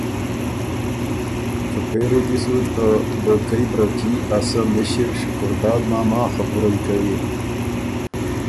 که پېری دی سو ته بېکئ بره کي ا سۀ مِݭر شکرداد ماما خبُرئ کوی